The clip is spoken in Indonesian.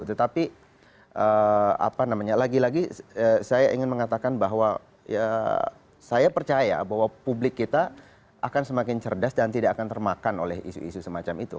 tetapi apa namanya lagi lagi saya ingin mengatakan bahwa saya percaya bahwa publik kita akan semakin cerdas dan tidak akan termakan oleh isu isu semacam itu